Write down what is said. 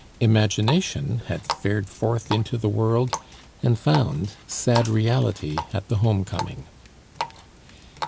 Imagination had fared forth into the world and found sad reality at the home coming.